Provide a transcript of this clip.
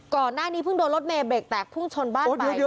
ก่อนหน้านี้เพิ่งโดนรถเมย์เบรกแตกพุ่งชนบ้านไป